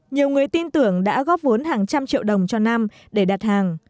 nhiều người tin tưởng đã góp vốn hàng trăm triệu đồng cho nam để đặt hàng